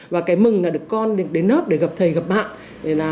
và cái mừng là được con đến lớp để gặp thầy gặp bạn